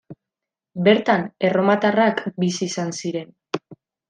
Bertan, erromatarrak bizi izan ziren.